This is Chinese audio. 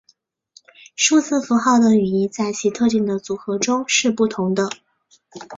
数字符号的语义在其特定的组合中是不同的。